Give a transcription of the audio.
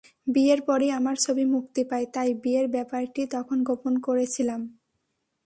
বিয়ের পরই আমার ছবি মুক্তি পায়, তাই বিয়ের ব্যাপারটি তখন গোপন করেছিলাম।